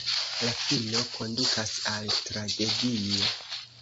La fino kondukas al tragedio.